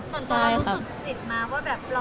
ส่วนตัวรู้สึกผติความผิดมา